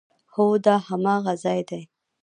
هو، دا هماغه ځای ده